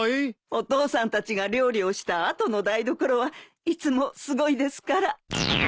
お父さんたちが料理をした後の台所はいつもすごいですから。